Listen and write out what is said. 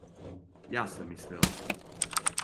Ја сам мислила.